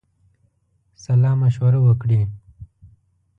سالامشوره وکړي.